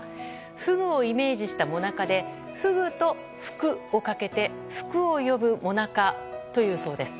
フグをイメージしたもなかでフグと福をかけて福を呼ぶ最中というそうです。